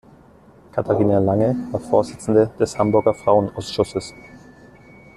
Catharina Lange war Vorsitzende des Hamburger Frauenausschusses.